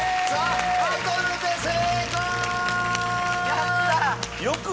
やった！